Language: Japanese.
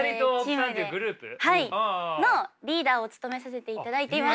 のリーダーを務めさせていただいています。